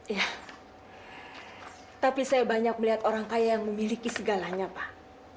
ya tapi saya banyak melihat orang kaya yang memiliki segalanya pak